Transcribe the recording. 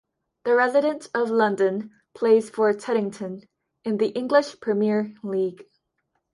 The resident of London plays for Teddington in the English Premier League.